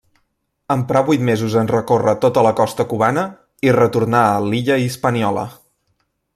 Emprà vuit mesos en recórrer tota la costa cubana i retornà a l'illa Hispaniola.